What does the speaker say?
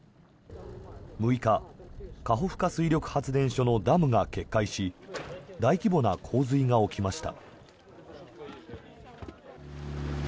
６日、カホフカ水力発電所のダムが決壊し大規模な洪水が起きました。